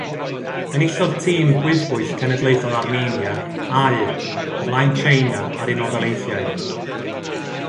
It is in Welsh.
Enillodd tîm gwyddbwyll cenedlaethol Armenia aur o flaen Tsieina a'r Unol Daleithiau.